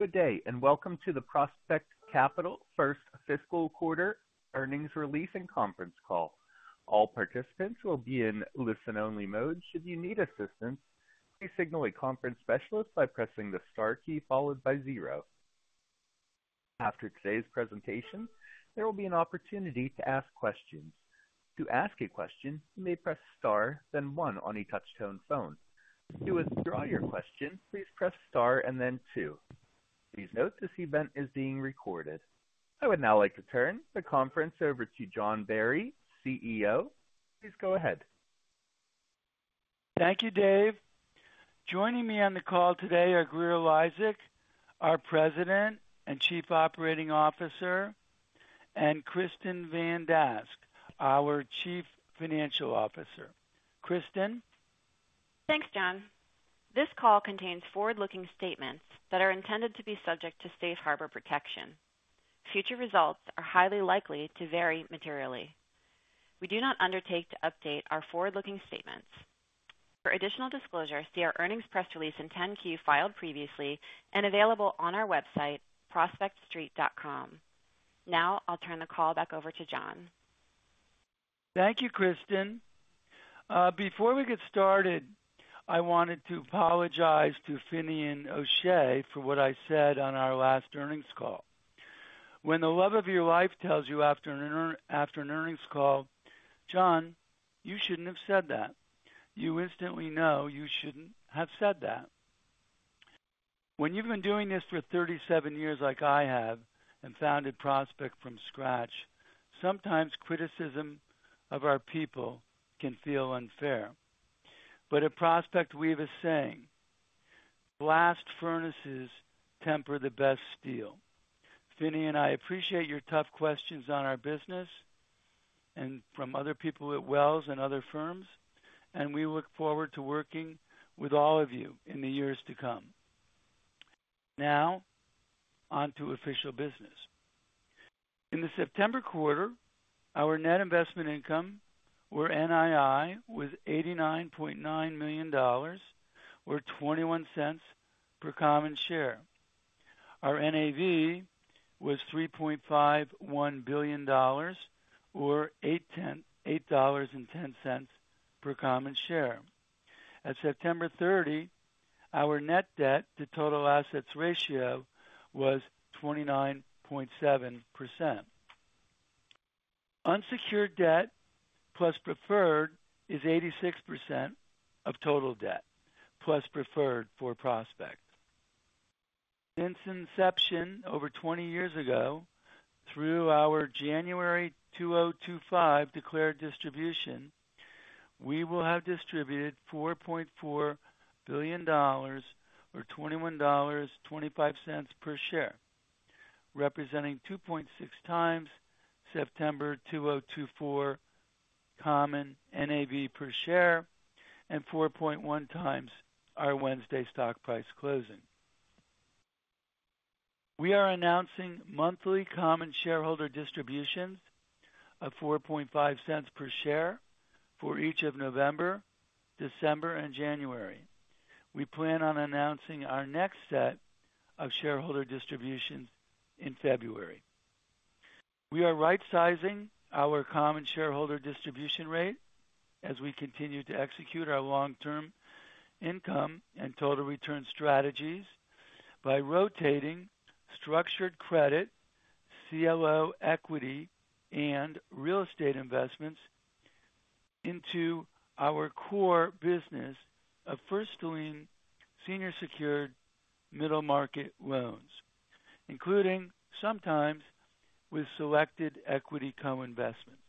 Good day, and welcome to the Prospect Capital First Fiscal Quarter Earnings Release Conference Call. All participants will be in listen-only mode. Should you need assistance, please signal a conference specialist by pressing the star key followed by zero. After today's presentation, there will be an opportunity to ask questions. To ask a question, you may press star, then one on a touch-tone phone. To withdraw your question, please press star and then two. Please note this event is being recorded. I would now like to turn the conference over to John Barry, CEO. Please go ahead. Thank you, Dave. Joining me on the call today are Grier Eliasek, our President and Chief Operating Officer, and Kristin Van Dask, our Chief Financial Officer. Kristin? Thanks, John. This call contains forward-looking statements that are intended to be subject to safe harbor protection. Future results are highly likely to vary materially. We do not undertake to update our forward-looking statements. For additional disclosure, see our earnings press release and 10-K filed previously and available on our website, prospectstreet.com. Now I'll turn the call back over to John. Thank you, Kristin. Before we get started, I wanted to apologize to Finian O'Shea for what I said on our last earnings call. When the love of your life tells you after an earnings call, "John, you shouldn't have said that," you instantly know you shouldn't have said that. When you've been doing this for 37 years like I have and founded Prospect from scratch, sometimes criticism of our people can feel unfair, but at Prospect, we have a saying, "Glass furnaces temper the best steel." Finian O'Shea and I appreciate your tough questions on our business and from other people at Wells and other firms, and we look forward to working with all of you in the years to come. Now onto official business. In the September quarter, our net investment income, or NII, was $89.9 million, or $0.21 per common share. Our NAV was $3.51 billion, or $8.10 per common share. At September 30, our net debt to total assets ratio was 29.7%. Unsecured debt plus preferred is 86% of total debt plus preferred for Prospect. Since inception over 20 years ago, through our January 2025 declared distribution, we will have distributed $4.4 billion, or $21.25 per share, representing 2.6x September 2024 common NAV per share and 4.1x our Wednesday stock price closing. We are announcing monthly common shareholder distributions of $0.045 per share for each of November, December, and January. We plan on announcing our next set of shareholder distributions in February. We are right-sizing our common shareholder distribution rate as we continue to execute our long-term income and total return strategies by rotating structured credit, CLO equity, and real estate investments into our core business of first-lien senior secured middle market loans, including sometimes with selected equity co-investments.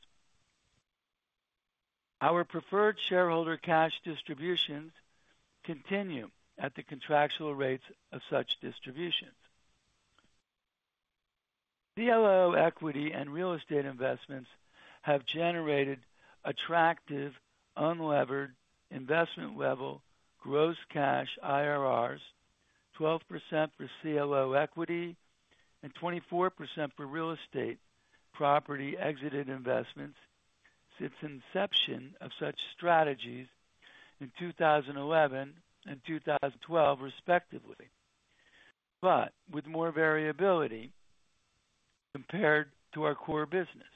Our preferred shareholder cash distributions continue at the contractual rates of such distributions. CLO equity and real estate investments have generated attractive unlevered investment-level gross cash IRRs. 12% for CLO equity and 24% for real estate property exited investments since inception of such strategies in 2011 and 2012, respectively, but with more variability compared to our core business.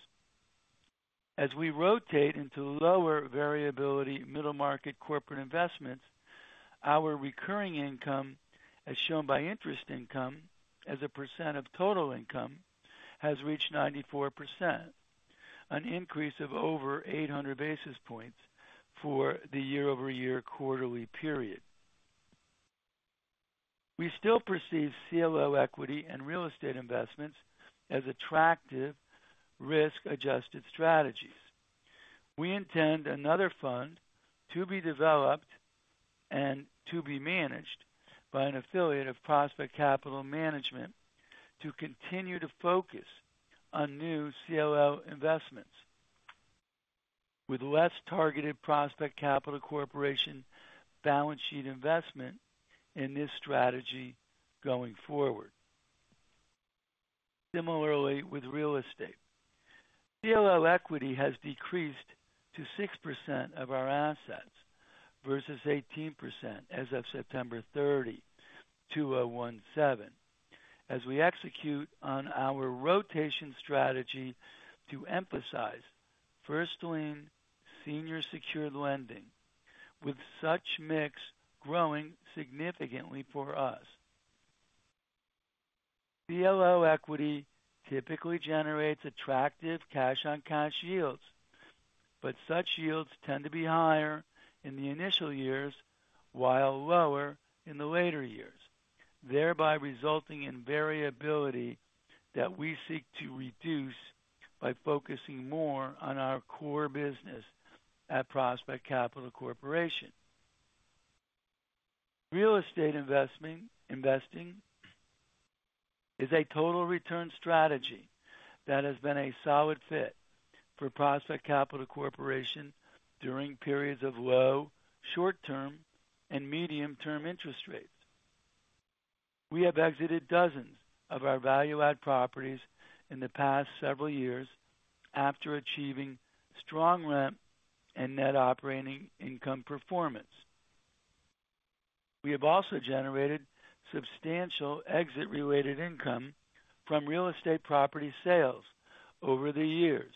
As we rotate into lower variability middle market corporate investments, our recurring income, as shown by interest income as a percent of total income, has reached 94%, an increase of over 800 basis points for the year-over-year quarterly period. We still perceive CLO equity and real estate investments as attractive risk-adjusted strategies. We intend another fund to be developed and to be managed by an affiliate of Prospect Capital Management to continue to focus on new CLO investments with less targeted Prospect Capital Corporation balance sheet investment in this strategy going forward. Similarly, with real estate, CLO equity has decreased to 6% of our assets versus 18% as of September 30, 2017, as we execute on our rotation strategy to emphasize first-lien senior secured lending, with such mix growing significantly for us. CLO equity typically generates attractive cash-on-cash yields, but such yields tend to be higher in the initial years while lower in the later years, thereby resulting in variability that we seek to reduce by focusing more on our core business at Prospect Capital Corporation. Real estate investing is a total return strategy that has been a solid fit for Prospect Capital Corporation during periods of low short-term and medium-term interest rates. We have exited dozens of our value-added properties in the past several years after achieving strong rent and net operating income performance. We have also generated substantial exit-related income from real estate property sales over the years,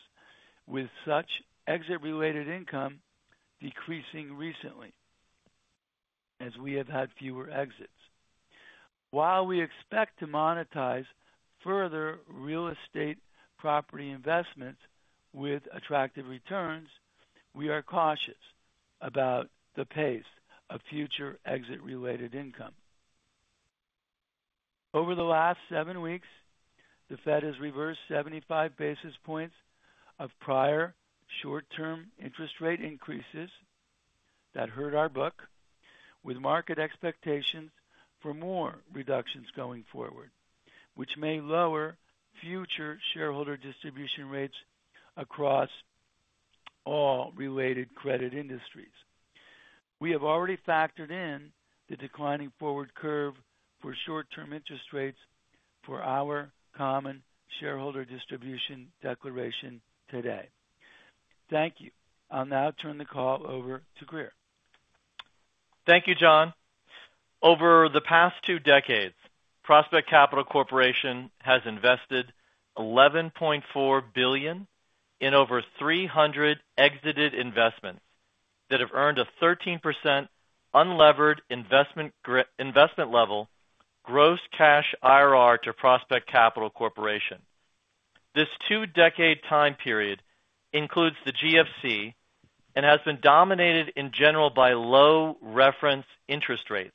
with such exit-related income decreasing recently as we have had fewer exits. While we expect to monetize further real estate property investments with attractive returns, we are cautious about the pace of future exit-related income. Over the last seven weeks, the Fed has reversed 75 basis points of prior short-term interest rate increases that hurt our book, with market expectations for more reductions going forward, which may lower future shareholder distribution rates across all related credit industries. We have already factored in the declining forward curve for short-term interest rates for our common shareholder distribution declaration today. Thank you. I'll now turn the call over to Grier. Thank you, John. Over the past two decades, Prospect Capital Corporation has invested $11.4 billion in over 300 exited investments that have earned a 13% unlevered investment level gross cash IRR to Prospect Capital Corporation. This two-decade time period includes the GFC and has been dominated in general by low reference interest rates.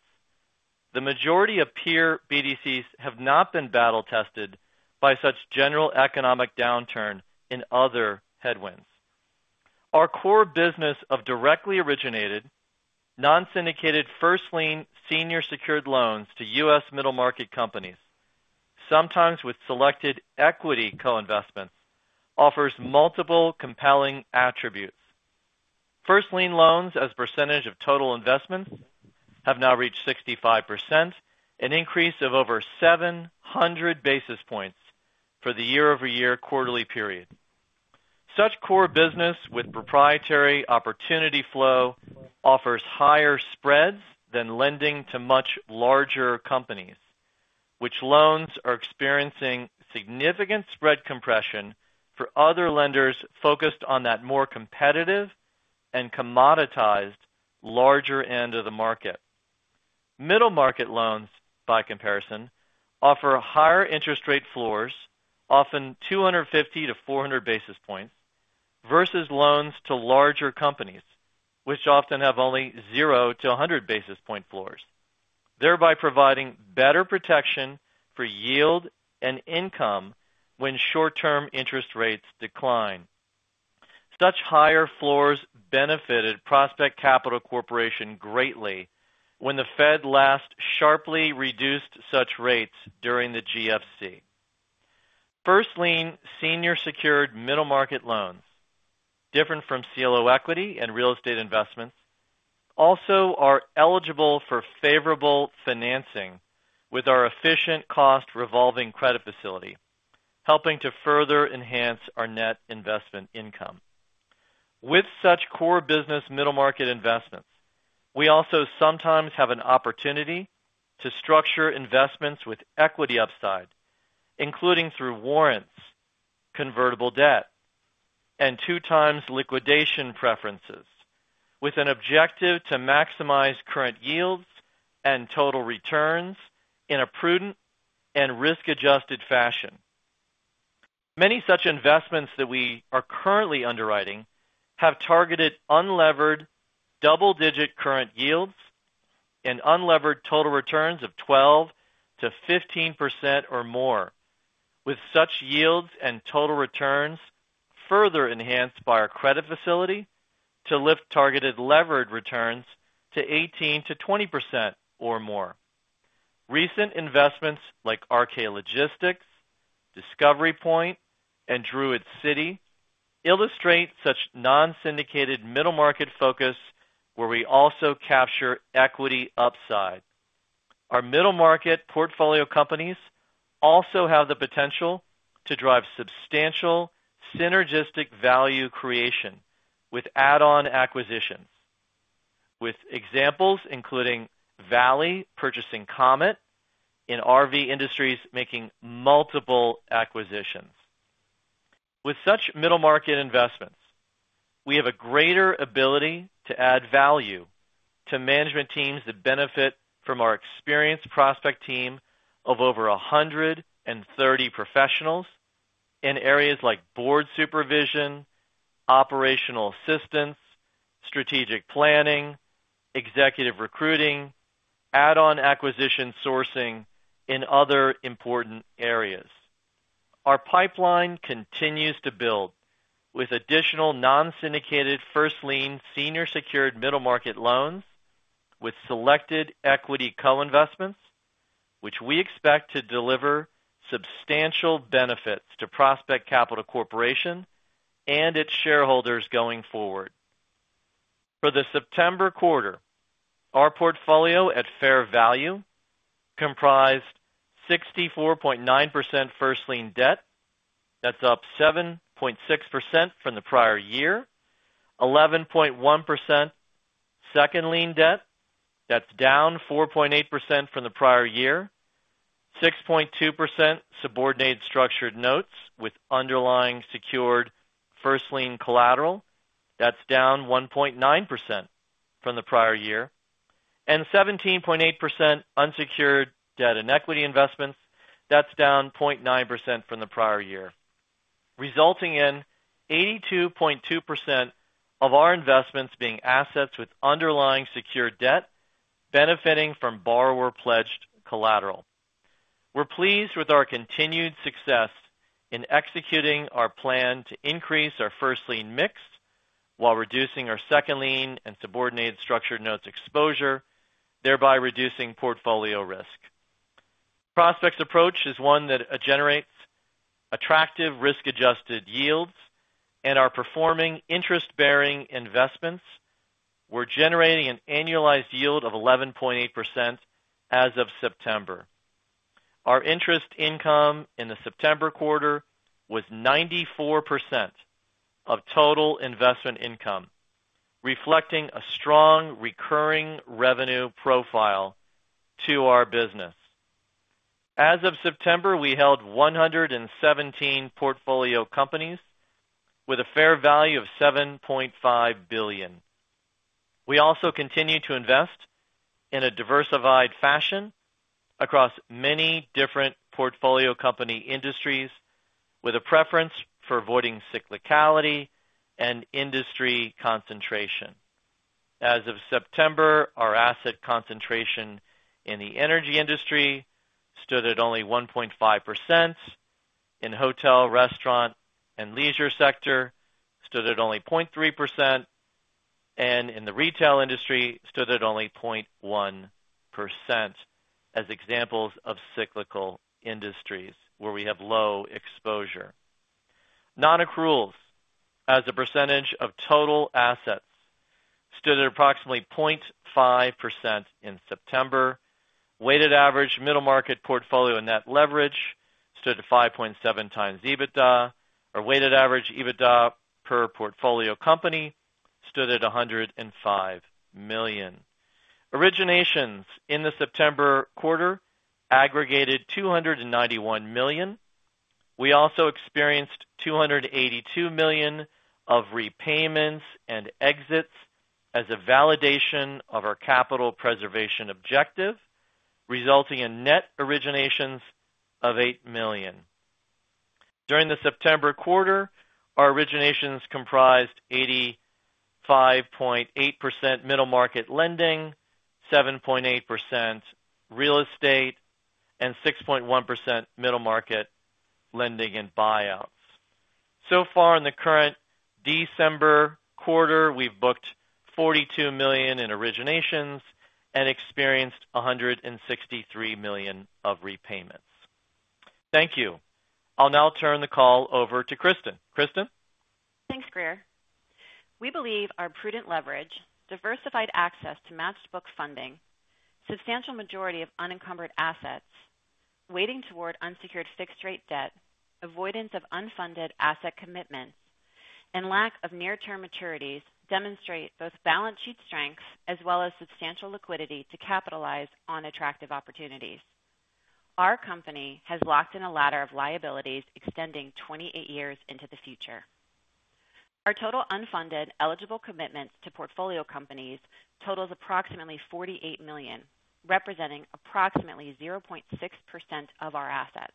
The majority of peer BDCs have not been battle-tested by such general economic downturn in other headwinds. Our core business of directly originated non-syndicated first-lien senior secured loans to U.S. middle market companies, sometimes with selected equity co-investments, offers multiple compelling attributes. First-lien loans as a percentage of total investments have now reached 65%, an increase of over 700 basis points for the year-over-year quarterly period. Such core business with proprietary opportunity flow offers higher spreads than lending to much larger companies, which loans are experiencing significant spread compression for other lenders focused on that more competitive and commoditized larger end of the market. Middle market loans, by comparison, offer higher interest rate floors, often 250-400 basis points, versus loans to larger companies, which often have only 0-100 basis point floors, thereby providing better protection for yield and income when short-term interest rates decline. Such higher floors benefited Prospect Capital Corporation greatly when the Fed last sharply reduced such rates during the GFC. First-lien senior secured middle market loans, different from CLO equity and real estate investments, also are eligible for favorable financing with our efficient cost revolving credit facility, helping to further enhance our net investment income. With such core business middle market investments, we also sometimes have an opportunity to structure investments with equity upside, including through warrants, convertible debt, and two-times liquidation preferences, with an objective to maximize current yields and total returns in a prudent and risk-adjusted fashion. Many such investments that we are currently underwriting have targeted unlevered double-digit current yields and unlevered total returns of 12%-15% or more, with such yields and total returns further enhanced by our credit facility to lift targeted levered returns to 18%-20% or more. Recent investments like RK Logistics, Discovery Point, and Druid City illustrate such non-syndicated middle market focus, where we also capture equity upside. Our middle market portfolio companies also have the potential to drive substantial synergistic value creation with add-on acquisitions, with examples including Valley purchasing Comet and R-V Industries making multiple acquisitions. With such middle market investments, we have a greater ability to add value to management teams that benefit from our experienced Prospect team of over 130 professionals in areas like board supervision, operational assistance, strategic planning, executive recruiting, add-on acquisition sourcing, and other important areas. Our pipeline continues to build with additional non-syndicated first-lien senior secured middle market loans with selected equity co-investments, which we expect to deliver substantial benefits to Prospect Capital Corporation and its shareholders going forward. For the September quarter, our portfolio at fair value comprised 64.9% first-lien debt. That's up 7.6% from the prior year. 11.1% second-lien debt. That's down 4.8% from the prior year. 6.2% subordinated structured notes with underlying secured first-lien collateral. That's down 1.9% from the prior year. And 17.8% unsecured debt and equity investments. That's down 0.9% from the prior year. Resulting in 82.2% of our investments being assets with underlying secured debt benefiting from borrower-pledged collateral. We're pleased with our continued success in executing our plan to increase our first-lien mix while reducing our second-lien and subordinated structured notes exposure, thereby reducing portfolio risk. Prospect's approach is one that generates attractive risk-adjusted yields and are performing interest-bearing investments. We're generating an annualized yield of 11.8% as of September. Our interest income in the September quarter was 94% of total investment income, reflecting a strong recurring revenue profile to our business. As of September, we held 117 portfolio companies with a fair value of $7.5 billion. We also continue to invest in a diversified fashion across many different portfolio company industries, with a preference for avoiding cyclicality and industry concentration. As of September, our asset concentration in the energy industry stood at only 1.5%, in hotel, restaurant, and leisure sector stood at only 0.3%, and in the retail industry stood at only 0.1% as examples of cyclical industries where we have low exposure. Non-accruals as a percentage of total assets stood at approximately 0.5% in September. Weighted average middle market portfolio net leverage stood at 5.7x EBITDA, or weighted average EBITDA per portfolio company stood at $105 million. Originations in the September quarter aggregated $291 million. We also experienced $282 million of repayments and exits as a validation of our capital preservation objective, resulting in net originations of $8 million. During the September quarter, our originations comprised 85.8% middle market lending, 7.8% real estate, and 6.1% middle market lending and buyouts. So far in the current December quarter, we've booked $42 million in originations and experienced $163 million of repayments. Thank you. I'll now turn the call over to Kristin. Kristin? Thanks, Grier. We believe our prudent leverage, diversified access to matched book funding, substantial majority of unencumbered assets weighted toward unsecured fixed-rate debt, avoidance of unfunded asset commitments, and lack of near-term maturities demonstrate both balance sheet strengths as well as substantial liquidity to capitalize on attractive opportunities. Our company has locked in a ladder of liabilities extending 28 years into the future. Our total unfunded eligible commitments to portfolio companies totals approximately $48 million, representing approximately 0.6% of our assets.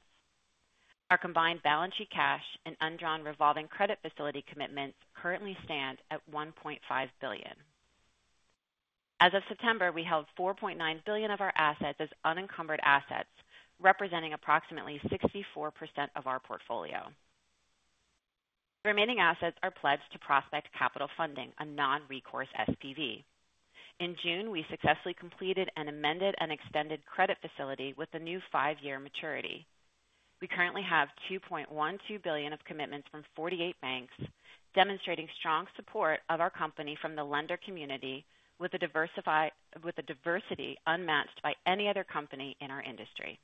Our combined balance sheet cash and undrawn revolving credit facility commitments currently stand at $1.5 billion. As of September, we held $4.9 billion of our assets as unencumbered assets, representing approximately 64% of our portfolio. The remaining assets are pledged to Prospect Capital Funding, a non-recourse SPV. In June, we successfully completed and amended an extended credit facility with a new five-year maturity. We currently have $2.12 billion of commitments from 48 banks, demonstrating strong support of our company from the lender community, with a diversity unmatched by any other company in our industry.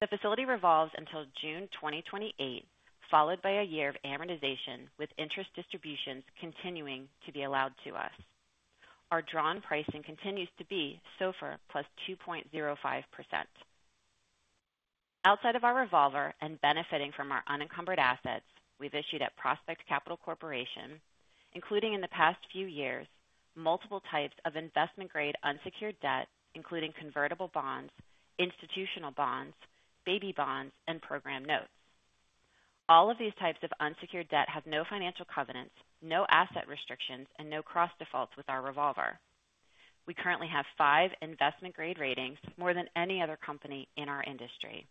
The facility revolves until June 2028, followed by a year of amortization, with interest distributions continuing to be allowed to us. Our drawn pricing continues to be SOFR plus 2.05%. Outside of our revolver and benefiting from our unencumbered assets, we've issued at Prospect Capital Corporation, including in the past few years, multiple types of investment-grade unsecured debt, including convertible bonds, institutional bonds, baby bonds, and program notes. All of these types of unsecured debt have no financial covenants, no asset restrictions, and no cross-defaults with our revolver. We currently have five investment-grade ratings, more than any other company in our industry.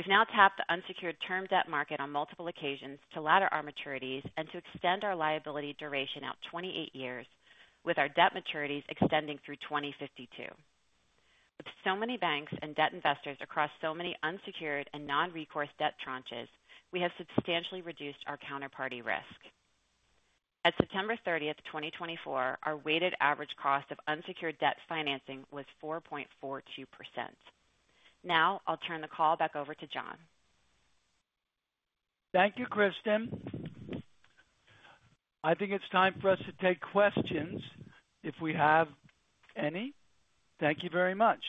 We've now tapped the unsecured term debt market on multiple occasions to ladder our maturities and to extend our liability duration out 28 years, with our debt maturities extending through 2052. With so many banks and debt investors across so many unsecured and non-recourse debt tranches, we have substantially reduced our counterparty risk. At September 30th, 2024, our weighted average cost of unsecured debt financing was 4.42%. Now I'll turn the call back over to John. Thank you, Kristin. I think it's time for us to take questions, if we have any. Thank you very much.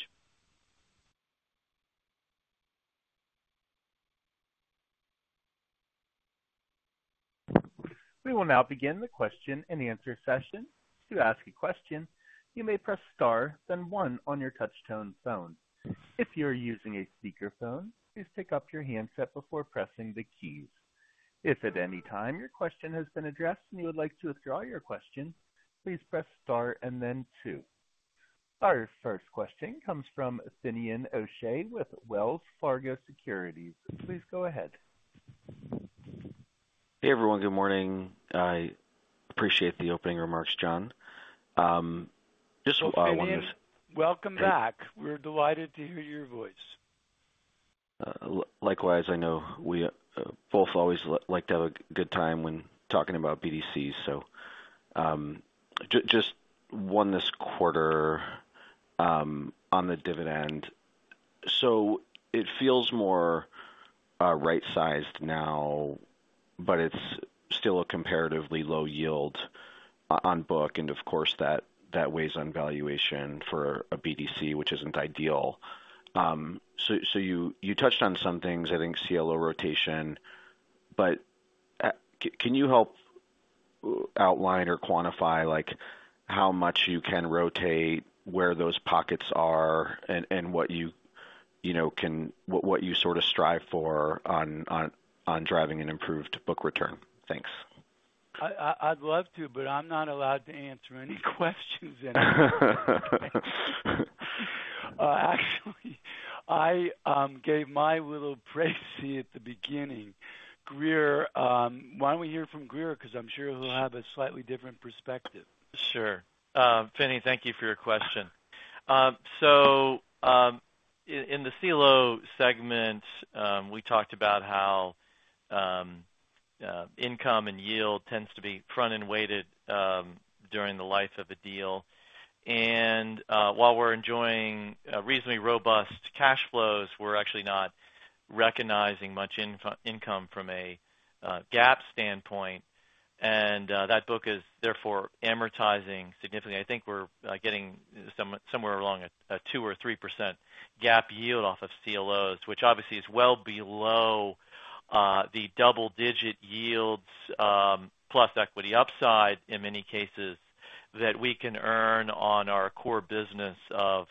We will now begin the question and answer session. To ask a question, you may press star, then one on your touch-tone phone. If you're using a speakerphone, please pick up your handset before pressing the keys. If at any time your question has been addressed and you would like to withdraw your question, please press star and then two. Our first question comes from Finian O'Shea with Wells Fargo Securities. Please go ahead. Hey, everyone. Good morning. I appreciate the opening remarks, John. Just. Welcome back. We're delighted to hear your voice. Likewise. I know we both always like to have a good time when talking about BDCs. So just one this quarter on the dividend. So it feels more right-sized now, but it's still a comparatively low yield on book. And of course, that weighs on valuation for a BDC, which isn't ideal. So you touched on some things, I think, CLO rotation. But can you help outline or quantify how much you can rotate, where those pockets are, and what you sort of strive for on driving an improved book return? Thanks. I'd love to, but I'm not allowed to answer any questions. Actually, I gave my little praise at the beginning. Grier, why don't we hear from Grier? Because I'm sure he'll have a slightly different perspective. Sure. Finian, thank you for your question. So in the CLO segment, we talked about how income and yield tends to be front-end weighted during the life of a deal. And while we're enjoying reasonably robust cash flows, we're actually not recognizing much income from a GAAP standpoint. And that book is therefore amortizing significantly. I think we're getting somewhere along a two or 3% GAAP yield off of CLOs, which obviously is well below the double-digit yields plus equity upside in many cases that we can earn on our core business of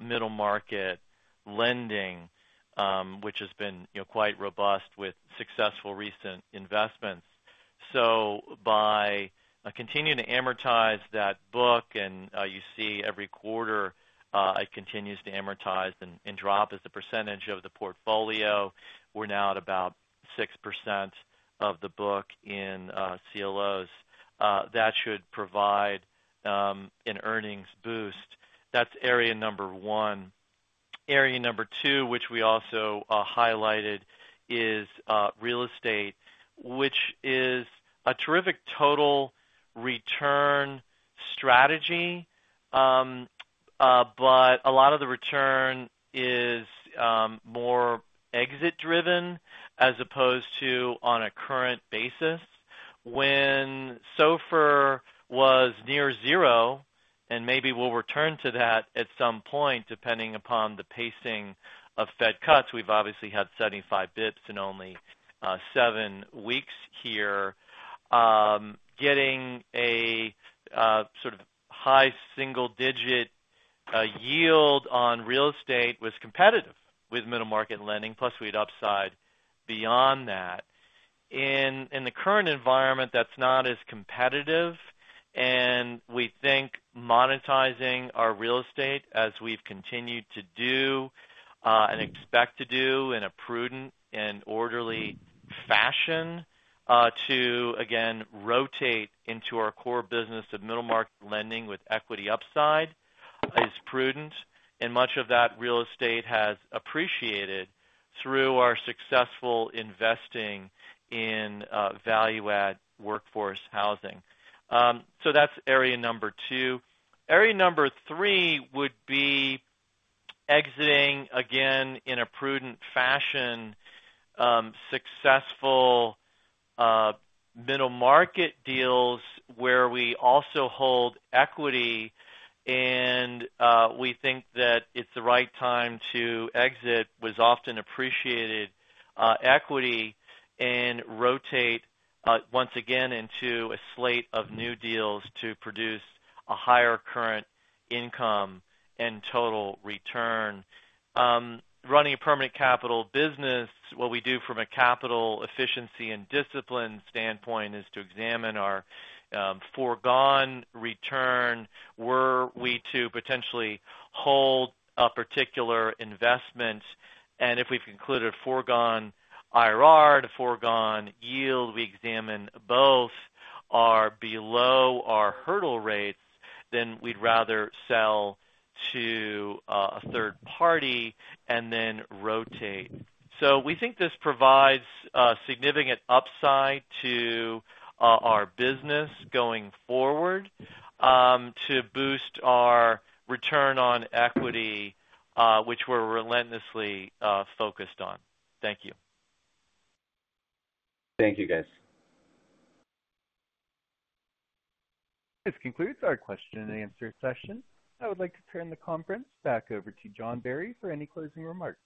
middle market lending, which has been quite robust with successful recent investments. So by continuing to amortize that book, and you see every quarter it continues to amortize and drop as the percentage of the portfolio, we're now at about 6% of the book in CLOs. That should provide an earnings boost. That's area number one. Area number two, which we also highlighted, is real estate, which is a terrific total return strategy, but a lot of the return is more exit-driven as opposed to on a current basis. When SOFR was near zero, and maybe we'll return to that at some point, depending upon the pacing of Fed cuts, we've obviously had 75 basis points in only seven weeks here. Getting a sort of high single-digit yield on real estate was competitive with middle market lending, plus we had upside beyond that. In the current environment, that's not as competitive. We think monetizing our real estate, as we've continued to do and expect to do in a prudent and orderly fashion, to again rotate into our core business of middle market lending with equity upside is prudent. Much of that real estate has appreciated through our successful investing in value-add workforce housing. So that's area number two. Area number three would be exiting again in a prudent fashion successful middle market deals where we also hold equity. And we think that it's the right time to exit with often appreciated equity and rotate once again into a slate of new deals to produce a higher current income and total return. Running a permanent capital business, what we do from a capital efficiency and discipline standpoint is to examine our foregone return. Were we to potentially hold a particular investment, and if we've concluded foregone IRR and foregone yield we examine both are below our hurdle rates, then we'd rather sell to a third party and then rotate. So we think this provides significant upside to our business going forward to boost our return on equity, which we're relentlessly focused on. Thank you. Thank you, guys. This concludes our question and answer session. I would like to turn the conference back over to John Barry for any closing remarks.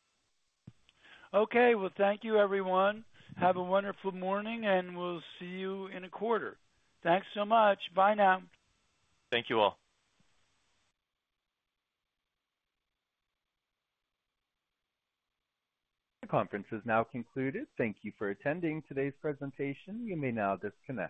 Okay. Well, thank you, everyone. Have a wonderful morning, and we'll see you in a quarter. Thanks so much. Bye now. Thank you all. The conference has now concluded. Thank you for attending today's presentation. You may now disconnect.